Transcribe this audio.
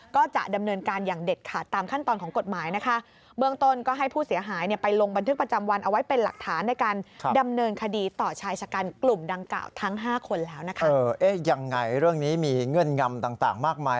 ก็จะดำเนินการอย่างเด็ดค่ะตามขั้นตอนของกฎหมายนะคะ